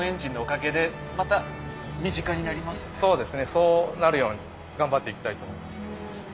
そうなるように頑張っていきたいと思います。